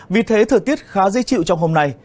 vì thế thời tiết khá dễ chịu trong hôm nay